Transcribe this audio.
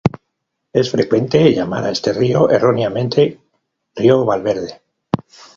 Es frecuente llamar a este río, erróneamente, río Valverde.